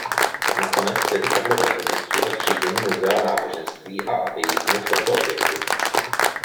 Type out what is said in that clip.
Nakonec tedy padlo rozhodnutí o zřízení muzea náboženství a ateismu v tomto objektu.